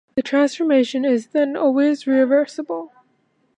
The transformation is then always reversible.